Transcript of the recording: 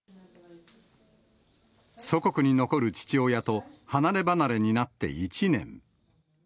祖国に残る父親と離れ離れになって１年。